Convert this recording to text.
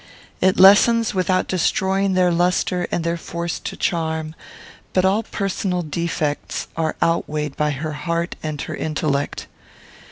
It lessens without destroying their lustre and their force to charm; but all personal defects are outweighed by her heart and her intellect.